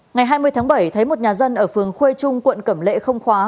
ngày hai mươi tháng bảy thấy một nhà dân ở phường khuê trung quận cẩm lệ không khóa